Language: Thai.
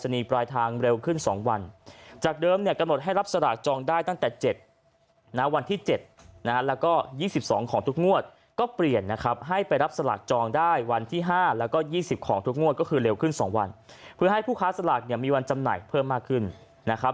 นะฮะมาจำไหนเพิ่มมากขึ้นนะครับ